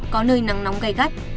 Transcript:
có nơi nắng nóng gai gắt